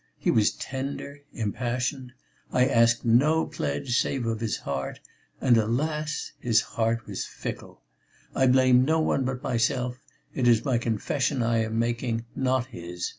He was tender, impassioned. I asked no pledge save of his heart, and alas! his heart was fickle.... I blame no one but myself; it is my confession I am making, not his.